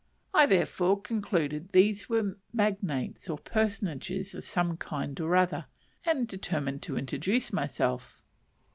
I therefore concluded these were magnates or "personages" of some kind or other, and determined to introduce myself.